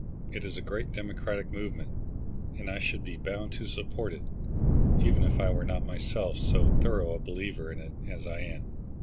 It is a great Democratic movement, and I should be bound to support it, even if I were not myself so thorough a believer in it as I am."